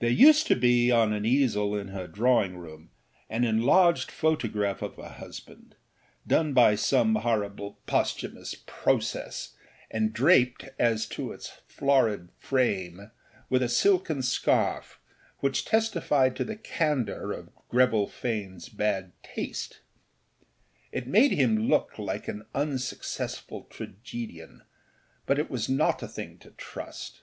There used to be, on an easel in her drawing room, an enlarged photograph of her husband, done by some horrible posthumous âprocessâ and draped, as to its florid frame, with a silken scarf, which testified to the candour of Greville Faneâs bad taste. It made him look like an unsuccessful tragedian; but it was not a thing to trust.